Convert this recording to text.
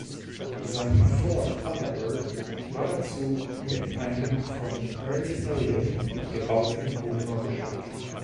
Sein Ford Thunderbird war dazu mit einem von Ernie Elliott gebauten Motor bestückt.